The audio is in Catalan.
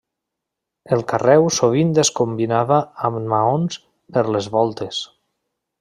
El carreu sovint es combinava amb maons per les voltes.